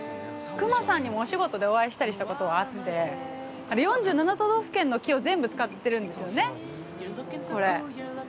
隈さんにも、お仕事でお会いしたりしたことはあって４７都道府県の木を全部使ってるんですよね、これ。